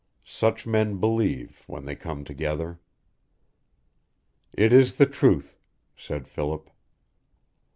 Such men believe, when they come together. "It is the truth," said Philip.